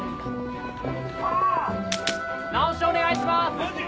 直しお願いします。